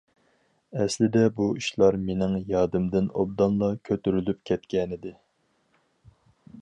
ئەسلىدە بۇ ئىشلار مېنىڭ يادىمدىن ئوبدانلا كۆتۈرۈلۈپ كەتكەنىدى.